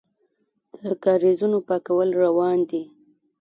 د کاریزونو پاکول روان دي؟